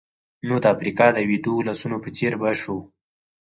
نو د افریقا د ویدو ولسونو په څېر به شو.